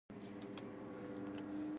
د کونړ په خلکو کې ناکراری را پیدا نه شي.